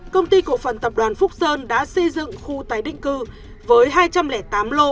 công ty cổ phần tập đoàn phúc sơn đã xây dựng khu tái định cư với hai trăm linh tám lô